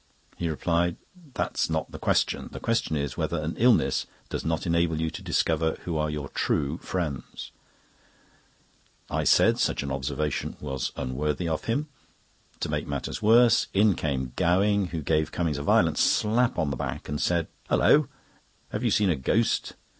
He replied: "That's not the question. The question is whether an illness does not enable you to discover who are your true friends." I said such an observation was unworthy of him. To make matters worse, in came Gowing, who gave Cummings a violent slap on the back, and said: "Hulloh! Have you seen a ghost?